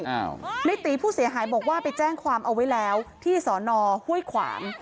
อ้าวในตีผู้เสียหายบอกว่าไปแจ้งความเอาไว้แล้วที่สอนอห้วยขวาง